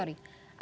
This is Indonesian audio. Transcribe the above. apa itu pak